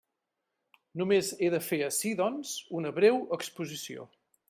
Només he de fer ací, doncs, una breu exposició.